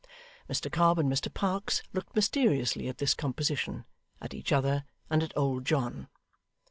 Mr Cobb and Mr Parkes looked mysteriously at this composition, at each other, and at old John.